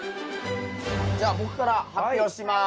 じゃあ僕から発表します。